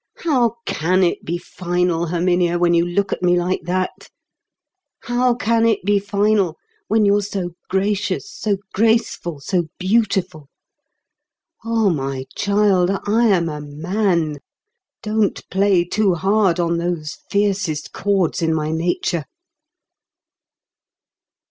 "How can it be final, Herminia, when you look at me like that? How can it be final, when you're so gracious, so graceful, so beautiful? Oh, my child, I am a man; don't play too hard on those fiercest chords in my nature."